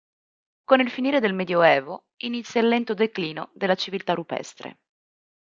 Con il finire del Medioevo inizia il lento declino della civiltà rupestre.